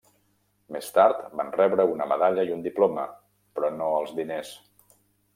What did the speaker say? Més tard van rebre una medalla i un diploma, però no els diners.